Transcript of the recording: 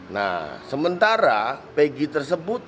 nah sementara pegi tersebut